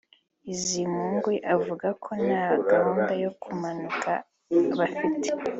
Bizimungu avuga ko nta gahunda yo kumanuka bafite